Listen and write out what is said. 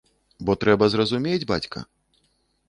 Бо трэба зразумець, бацька.